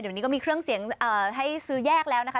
เดี๋ยวนี้ก็มีเครื่องเสียงให้ซื้อแยกแล้วนะคะ